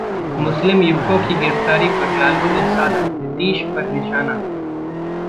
मुस्लिम युवकों की गिरफ्तारी पर लालू ने साधा नीतीश पर निशाना